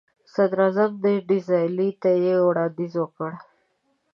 صدراعظم ډیزراییلي ته یې وړاندیز وکړ.